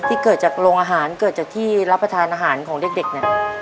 เกิดจากโรงอาหารเกิดจากที่รับประทานอาหารของเด็กเนี่ย